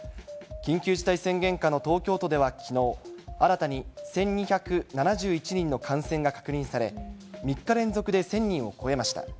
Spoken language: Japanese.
緊急事態宣言下の東京都ではきのう、新たに１２７１人の感染が確認され、３日連続で１０００人を超えました。